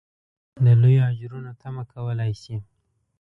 د لویو اجرونو تمه کولای شي.